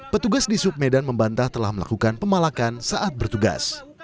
petugas di submedan membantah telah melakukan pemalakan saat bertugas